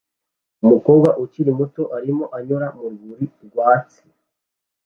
Umukobwa ukiri muto arimo anyura mu rwuri rwatsi